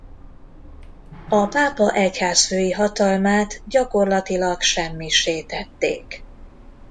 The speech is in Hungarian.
A pápa egyházfői hatalmát gyakorlatilag semmissé tették.